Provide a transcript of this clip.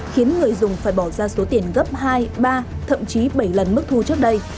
khiến người dùng phải bỏ ra số tiền gấp hai ba thậm chí bảy lần mức thu trước đây